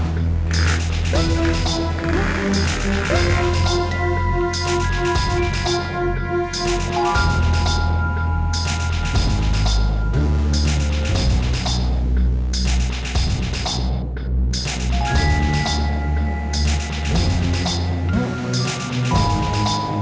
mereka kan yang maring kita berdua